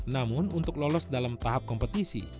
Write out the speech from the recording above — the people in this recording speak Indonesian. namun untuk lolos dalam tahap kompetisi